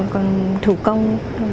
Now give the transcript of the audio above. còn thủ công